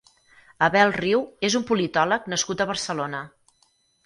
Abel Riu és un politòleg nascut a Barcelona.